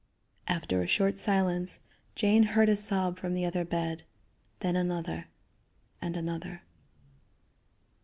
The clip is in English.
After a short silence Jane heard a sob from the other bed, then another, and another.